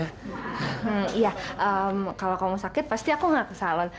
iya kalau kamu sakit pasti aku nggak ke salon